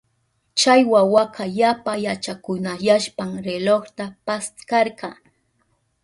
Chay wawaka yapa yachakunayashpan relojta paskarka.